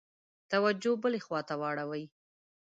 توجه بلي خواته واړوي.